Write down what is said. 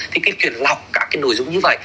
thì cái chuyện lọc các cái nội dung như vậy